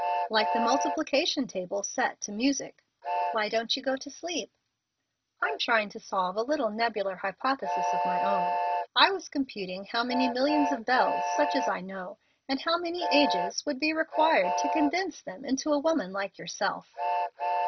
"Like the multiplication table set to music." "Why don't you go to sleep?" "I'm trying to solve a little nebular hypothesis of my own. I was computing how many million belles such as I know, and how many ages, would be required to condense them into a woman like yourself."